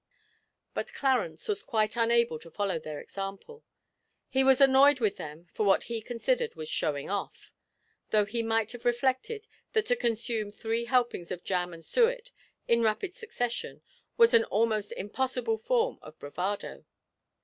But Clarence was quite unable to follow their example; he was annoyed with them for what he considered was 'showing off' though he might have reflected that to consume three helpings of jam and suet in rapid succession was an almost impossible form of bravado.